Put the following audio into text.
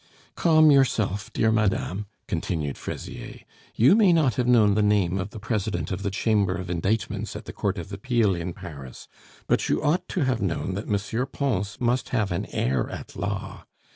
"Calm yourself, dear madame," continued Fraisier. "You may not have known the name of the President of the Chamber of Indictments at the Court of Appeal in Paris; but you ought to have known that M. Pons must have an heir at law.